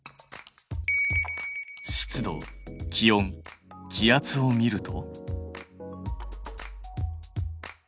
湿度気温気圧を見ると？